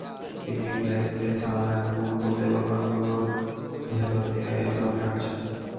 তিনি—ব্লেস the sun and moon, বলে দোকানগুলোর ভেতর দিয়ে এলোপাতাড়ি হাঁটছেন।